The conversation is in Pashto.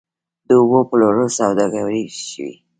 د اوبو پلورل سوداګري شوې؟